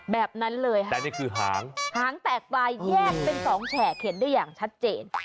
แบบนั้นเลยครับหางแตกปลายแยกเป็น๒แฉกเห็นได้อย่างชัดเจน